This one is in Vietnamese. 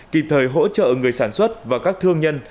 kịp thời hỗ trợ người sản xuất và các thương nhân